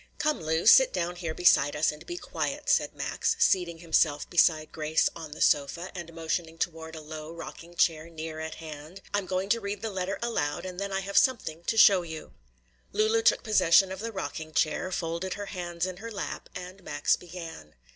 "Come, Lu, sit down here beside us and be quiet," said Max, seating himself beside Grace on the sofa, and motioning toward a low rocking chair near at hand. "I'm going to read the letter aloud, and then I have something to show you." Lulu took possession of the rocking chair, folded her hands in her lap, and Max began.